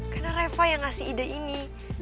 karena reva yang ngasih ide ini